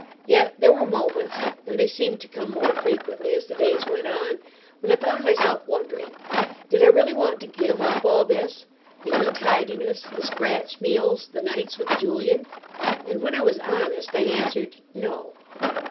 Yet there were moments, and they seemed to come more frequently as the days went on, when I found myself wondering. Did I really want to give up all this? The untidiness, the scratch meals, the nights with Julian? And, when I was honest, I answered, No.